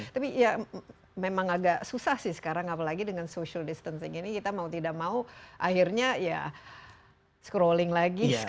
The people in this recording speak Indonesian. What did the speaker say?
tapi ya memang agak susah sih sekarang apalagi dengan social distancing ini kita mau tidak mau akhirnya ya scrolling lagi